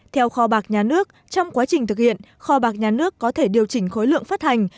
theo kho bạc nhà nước trong quá trình thực hiện kho bạc nhà nước có thể điều chỉnh khối lượng phát hành